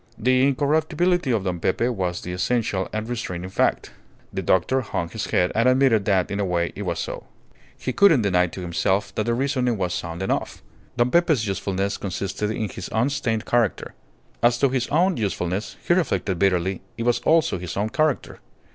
The incorruptibility of Don Pepe was the essential and restraining fact. The doctor hung his head and admitted that in a way it was so. He couldn't deny to himself that the reasoning was sound enough. Don Pepe's usefulness consisted in his unstained character. As to his own usefulness, he reflected bitterly it was also his own character.